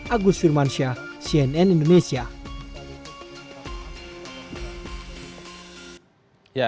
agus firman syah cnn indonesia